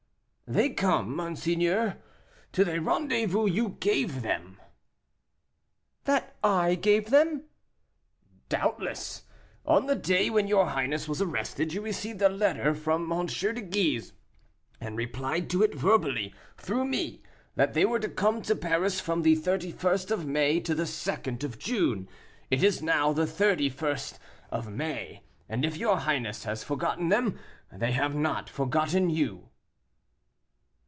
"They come, monseigneur, to the rendezvous you gave them." "That I gave them!" "Doubtless; on the day when your highness was arrested you received a letter from M. de Guise, and replied to it verbally, through me, that they were to come to Paris from the thirty first of May to the second of June. It is now the thirty first of May, and if your highness has forgotten them, they have not forgotten you."